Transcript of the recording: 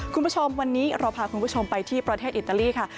คุณผู้ชมวันนี้เราพาคุณผู้ชมไปที่ประเทศอิตาลีค่ะ